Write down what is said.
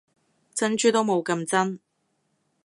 珍珠都冇咁真